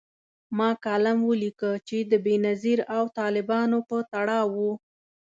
ما کالم ولیکه چي د بېنظیر او طالبانو په تړاو و